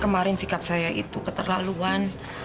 kemarin sikap saya itu keterlaluan